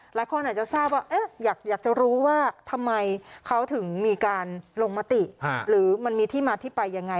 หลายคนอาจจะทราบว่าอยากจะรู้ว่าทำไมเขาถึงมีการลงมติหรือมันมีที่มาที่ไปยังไง